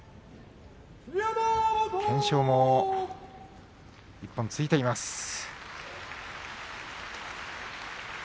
懸賞も１本ついています。